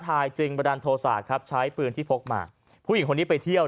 จึงบันดาลโทษะครับใช้ปืนที่พกมาผู้หญิงคนนี้ไปเที่ยว